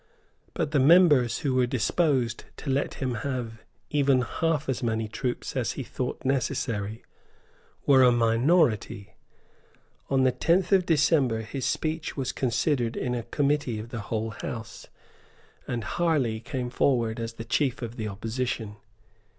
But the members who were disposed to let him have even half as many troops as he thought necessary were a minority. On the tenth of December his speech was considered in a Committee of the whole House; and Harley came forward as the chief of the opposition.